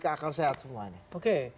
ke akal sehat semua ini